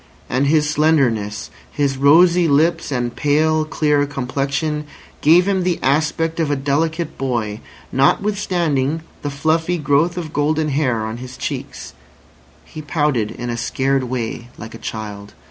And his slenderness, his rosy lips and pale, clear complexion, gave him the aspect of a delicate boy, notwithstanding the fluffy growth of golden hair on his cheeks. He pouted in a scared way like a child.